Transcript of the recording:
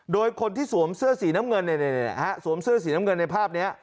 โดยคนที่สวมเสื้อสีน้ำเงินในภาพนี้